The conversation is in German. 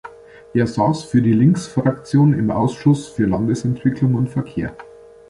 Er saß für die Linksfraktion im Ausschuss für Landesentwicklung und Verkehr.